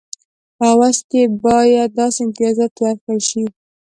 په عوض کې باید داسې امتیازات ورکړل شي.